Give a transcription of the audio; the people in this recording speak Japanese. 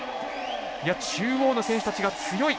中央の選手たちが強い！